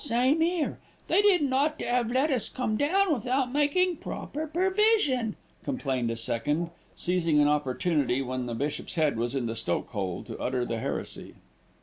"Same 'ere, they didn't ought to 'ave let us come down without making proper pervision," complained a second, seizing an opportunity when the bishop's head was in the stoke hole to utter the heresy.